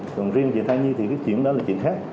còn riêng về thai nhi thì cái chuyện đó là chuyện khác